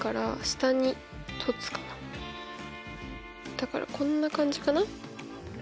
だからこんな感じかな。